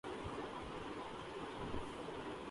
گندم کی خریداری میں اضافے سے سبسڈی کا بوجھ بڑھنے کا امکان